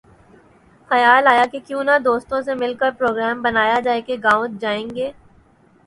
خیال آیا کہ کیوں نہ دوستوں سے مل کر پروگرام بنایا جائے کہ گاؤں جائیں گے